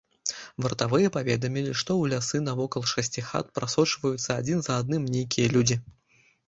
Вартавыя паведамілі, што ў лясы навокал шасці хат прасочваюцца адзін за адным нейкія людзі.